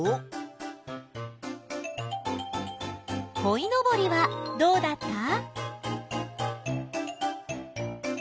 こいのぼりはどうだった？